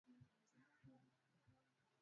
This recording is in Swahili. waziri mkuu netanyau akihutibia bunge la nchi hiyo